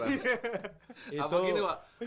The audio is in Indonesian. akhirnya gak dirujak netizen